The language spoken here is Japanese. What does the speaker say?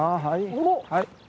はい。